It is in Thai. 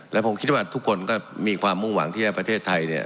และผมคิดว่าทุกคนก็มีความมุ่งหวังที่ว่าประเทศไทยเนี่ย